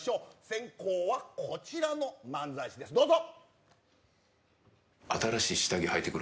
先攻はこちらの漫才師です、どうぞ。